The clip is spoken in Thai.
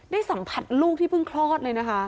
สัมผัสลูกที่เพิ่งคลอดเลยนะคะ